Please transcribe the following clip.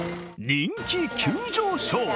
人気急上昇。